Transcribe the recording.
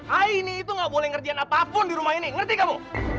aini itu nggak boleh ngertian apapun di rumah ini ngerti kamu